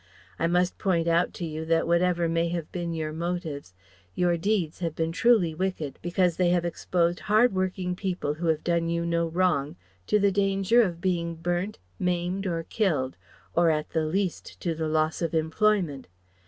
I must point out to you that whatever may have been your motives, your deeds have been truly wicked because they have exposed hard working people who had done you no wrong to the danger of being burnt, maimed or killed, or at the least to the loss of employment.